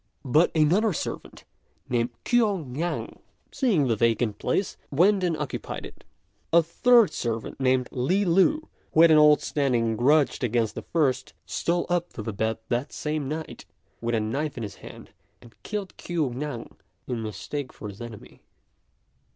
But another servant, named Kuo Ngan, seeing the vacant place, went and occupied it. A third servant, named Li Lu, who had an old standing grudge against the first, stole up to the bed that same night with a knife in his hand, and killed Kuo Ngan in mistake for his enemy.